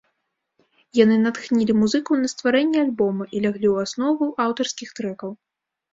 Яны натхнілі музыкаў на стварэнне альбома і ляглі ў аснову аўтарскіх трэкаў.